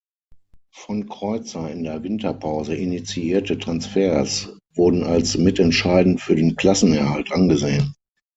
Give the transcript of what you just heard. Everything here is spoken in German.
Von Kreuzer in der Winterpause initiierte Transfers wurden als mitentscheidend für den Klassenerhalt angesehen.